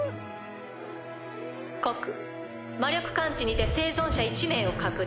告魔力感知にて生存者１名を確認。